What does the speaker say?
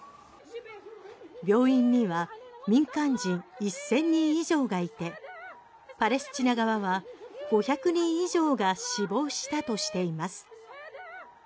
病院には民間人１０００人以上がいてパレスチナ側は５００人以上が死亡したとしています。